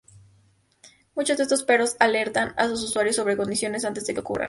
Muchos de estos perros "alertan" a sus usuarios sobre condiciones antes de que ocurran.